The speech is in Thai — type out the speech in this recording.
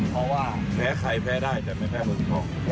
เพราะว่าแพ้ใครแพ้ได้แต่ไม่แพ้เมืองทอง